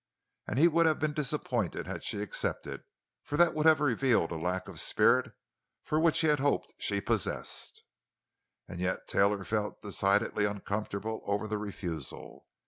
And he would have been disappointed had she accepted, for that would have revealed a lack of spirit which he had hoped she possessed. And yet Taylor felt decidedly uncomfortable over the refusal.